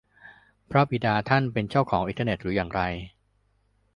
พระบิดาท่านเป็นเจ้าของอินเทอร์เน็ตหรืออย่างไร ?